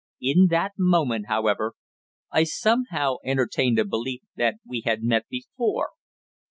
In that moment, however, I somehow entertained a belief that we had met before.